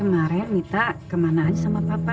enak dong nih mita kejadian sama papa ya